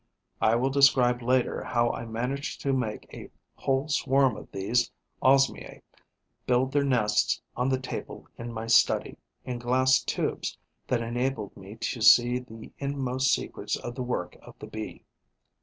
I will describe later how I managed to make a whole swarm of these Osmiae build their nests on the table in my study, in glass tubes that enabled me to see the inmost secrets of the work of the Bee.